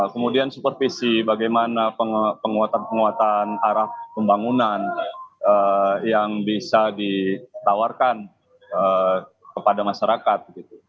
kemudian supervisi bagaimana penguatan penguatan arah pembangunan yang bisa ditawarkan kepada masyarakat